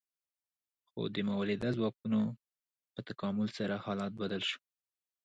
خو د مؤلده ځواکونو په تکامل سره حالت بدل شو.